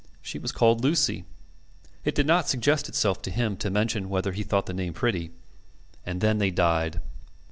She was called Lucy. It did not suggest itself to him to mention whether he thought the name pretty. And then they died.